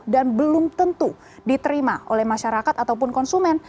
dan belum tentu diterima oleh masyarakat ataupun konsumen